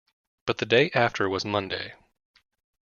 But the day after was Monday.